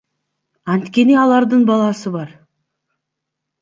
Анткени алардын баласы бар.